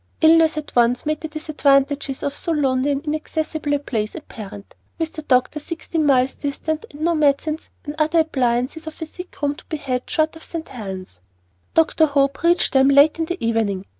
Illness at once made the disadvantages of so lonely and inaccessible a place apparent, with the doctor sixteen miles distant, and no medicines or other appliances of a sick room to be had short of St. Helen's. Dr. Hope reached them late in the evening.